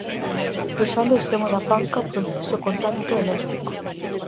Pulsando o extremo da panca, prodúcese o contacto eléctrico.